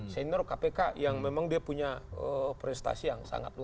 senior kpk yang memang dia punya prestasi yang sangat luas